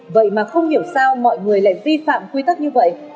vậy mà không hiểu sao mọi người lại vi phạm quy tắc như vậy